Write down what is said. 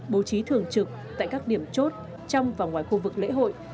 bố trí thường trực tại các điểm chốt trong và ngoài khu vực lễ hội